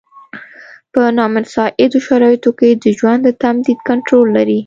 په نامساعدو شرایطو کې د ژوند د تمدید کنټرول لري.